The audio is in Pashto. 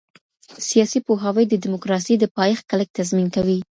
سياسي پوهاوی د ديموکراسۍ د پايښت کلک تضمين کوي.